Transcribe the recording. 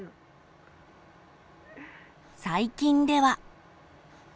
最近では。